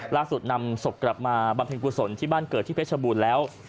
ล่าสุดนำศพกลับมาบำเพ็ญกุศลที่บ้านเกิดที่เพชรบูรณ์แล้ว